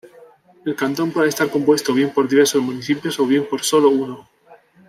El cantón puede estar compuesto bien por diversos municipios, o bien por sólo uno.